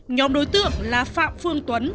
nhóm đối tượng là phạm phương tuấn